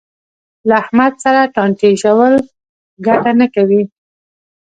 له احمد سره ټانټې ژول ګټه نه کوي.